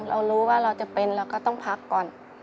เรารู้ว่าเราจะเป็นเราก็ต้องพักก่อน